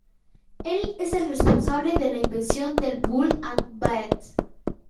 Él es el responsable de la invención del ""Build and Battle"".